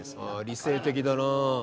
理性的だなあ。